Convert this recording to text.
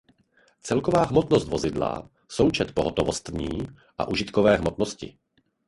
Celková hmotnost vozidla součet pohotovostní a užitkové hmotnosti.